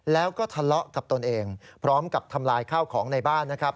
แล้วก็ทะเลาะกับตนเองพร้อมกับทำลายข้าวของในบ้านนะครับ